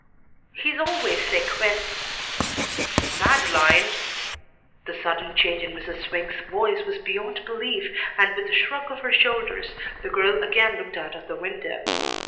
"He's always sick when " "Madeleine!" The sudden change in Mrs. Swink's voice was beyond belief, and with a shrug of her shoulders the girl again looked out of the window.